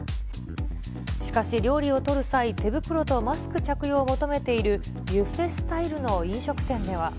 しかし、料理を取る際、手袋とマスク着用を求めているブッフェスタイルのお店では。